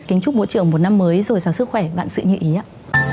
kính chúc bộ trưởng một năm mới rồi sáng sức khỏe bạn sự như ý ạ